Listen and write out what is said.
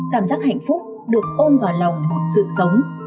cảm giác hạnh phúc được ôm vào lòng một sự sống